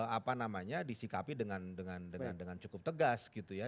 apa namanya disikapi dengan cukup tegas gitu ya